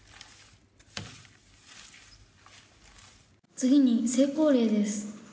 「次に成功例です。